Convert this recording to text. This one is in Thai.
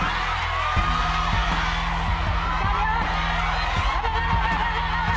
รับทราบ